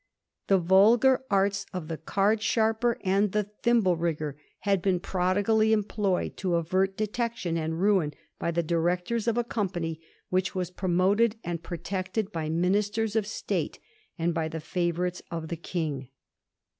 The vulgar arts of the card sharper and the thimble rigger had been prodigally employed to avert detection and ruin by the directors of a com pany which was promoted and protected by ministers of State and by the favourites of the King.